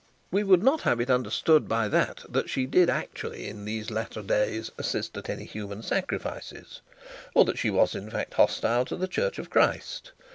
We would not have it understood by that, that she did actually in these latter days assist at any human sacrifices, or that she was in fact hostile to the Church of Christ.